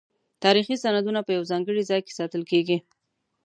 تاریخي سندونه په یو ځانګړي ځای کې ساتل کیږي.